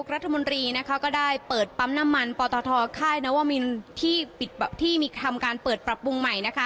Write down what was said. รัฐมนตรีก็ได้เปิดปั๊มน้ำมันปตทค่ายนวมินที่มีทำการเปิดปรับปรุงใหม่